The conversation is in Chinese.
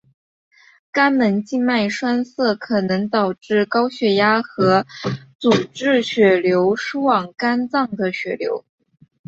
肝门静脉栓塞可能导致高血压和阻滞血流输往肝脏的血流。